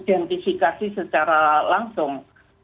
identifikasi secara langsung